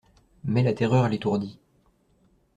Mais la terreur l'étourdit.